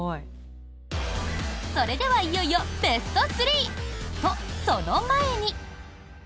それでは、いよいよベスト３！と、その前に。